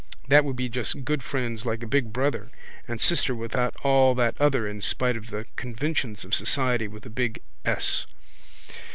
They would be just good friends like a big brother and sister without all that other in spite of the conventions of Society with a big ess.